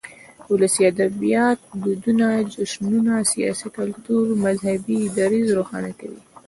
ولسي ادبيات دودنه، جشنونه ،سياسي، کلتوري ،مذهبي ، دريځ روښانه کوي.